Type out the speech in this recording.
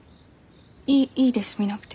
いいいいです見なくて。